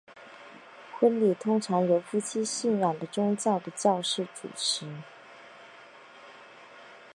婚礼通常由夫妻信仰的宗教的教士主持。